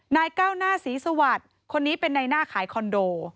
ก้าวหน้าศรีสวัสดิ์คนนี้เป็นในหน้าขายคอนโด